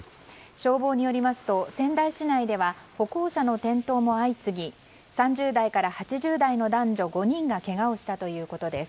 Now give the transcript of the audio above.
消防によりますと仙台市内では歩行者の転倒も相次ぎ３０代から８０代の男女５人がけがをしたということです。